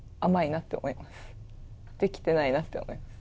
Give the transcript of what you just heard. できてないなって思います。